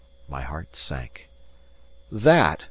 My heart sank. "That!"